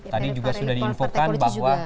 tadi juga sudah diinfokan bahwa